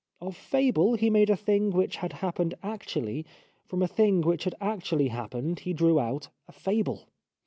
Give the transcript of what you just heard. Of fable he made a thing which had happened actually, from a thing which had actually happened he drew out a fable.